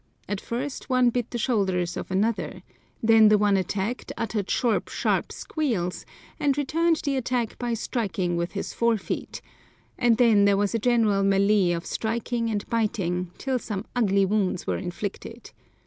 At first one bit the shoulders of another; then the one attacked uttered short, sharp squeals, and returned the attack by striking with his fore feet, and then there was a general mêlée of striking and biting, till some ugly wounds were inflicted.